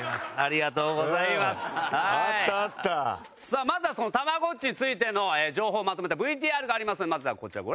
さあまずはそのたまごっちについての情報をまとめたＶＴＲがありますのでまずはこちらをご覧ください。